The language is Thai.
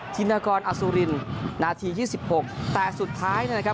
นากรอสุรินนาที๒๖แต่สุดท้ายนะครับ